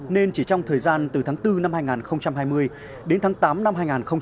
nên chỉ trong thời gian từ tháng bốn năm hai nghìn hai mươi đến tháng tám năm hai nghìn hai mươi